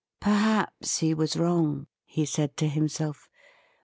Perhaps he was wrong, he said to himself.